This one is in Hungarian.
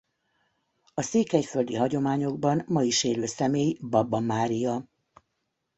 A székelyföldi hagyományokban ma is élő személy Babba Mária.